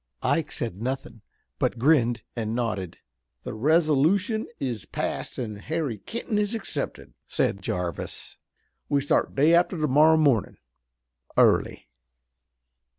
'" Ike said nothing, but grinned and nodded. "The resolution is passed an' Harry Kenton is accepted," said Jarvis. "We start day after tomorrow mornin', early."